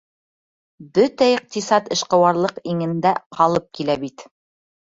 Бөтә иҡтисад эшҡыуарлыҡ иңендә ҡалып килә бит.